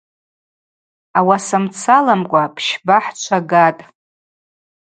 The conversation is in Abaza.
Ауаса мцы аламкӏва пщба хӏчвагатӏ.